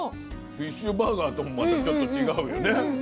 フィッシュバーガーともまたちょっと違うよね。